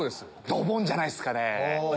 ドボンじゃないっすかね。